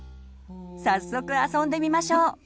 早速あそんでみましょう！